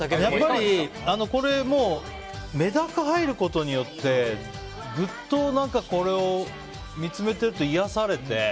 やっぱり、これメダカが入ることによってグッとこれを見つめてると癒やされて。